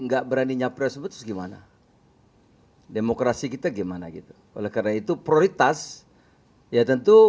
enggak berani nyapres gimana demokrasi kita gimana gitu oleh karena itu prioritas ya tentu